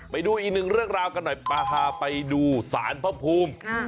ไปดูอีกหนึ่งเรื่องราวกันหน่อยปลาพาไปดูสารพระภูมิ